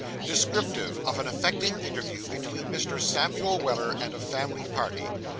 DESCRIPTIVE OF AN AFFECTING INTERVIEW BETWEEN MR. SAMUEL WELLER AND A FAMILY PARTY.